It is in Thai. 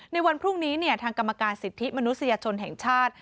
ในวันพรุ่งนี้ทางกรรมการสิทธิมนุษยชนแห่งชาติ